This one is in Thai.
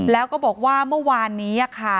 แล้วก็บอกว่าเมื่อวานนี้ค่ะ